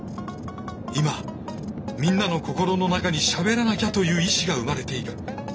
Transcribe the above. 今みんなの心の中に「しゃべらなきゃ！」という意志が生まれている。